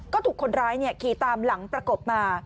ก็ถูกคนร้ายขี่ตามหลังประกบมา